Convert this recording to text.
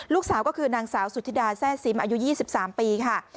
ลูกสาวก็คือนางสาวสุธิดาแซ่ซิมอายุ๒๓ปีค่ะ